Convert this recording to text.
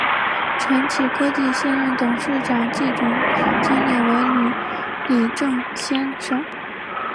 承启科技现任董事长暨总经理为吕礼正先生。